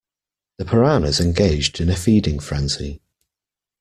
The piranhas engaged in a feeding frenzy.